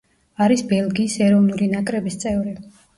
არის ბელგიის ეროვნული ნაკრების წევრი.